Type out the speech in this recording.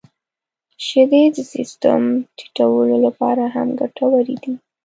• شیدې د سیستم د ټيټولو لپاره هم ګټورې دي.